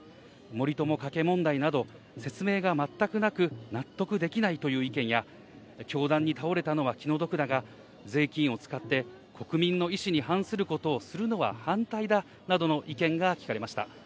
森友・加計問題など、説明が全くなく、納得できないという意見や、凶弾に倒れたのは気の毒だが、税金を使って、国民の意思に反することをするのは反対だなどの意見が聞かれました。